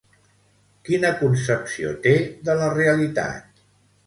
Quina concepció té de la realitat?